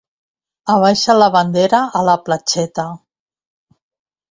Abaixa la bandera a la platgeta.